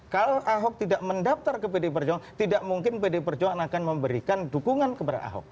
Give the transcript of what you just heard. kalau ahok tidak mendaftar ke pdi perjuangan tidak mungkin pdi perjuangan akan memberikan dukungan kepada ahok